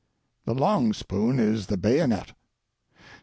The long spoon is the bayonet.